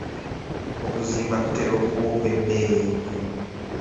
Okuzimba kutera okuba okw'ebbeeyi ennyo.